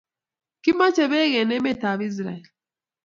Kimache pek en emet ab israel